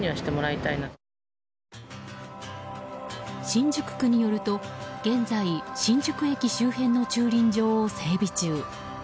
新宿区によると現在新宿駅周辺の駐輪場を整備中。